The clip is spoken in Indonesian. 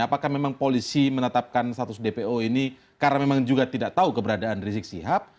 apakah memang polisi menetapkan status dpo ini karena memang juga tidak tahu keberadaan rizik sihab